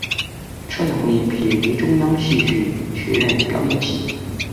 车永莉毕业于中央戏剧学院表演系。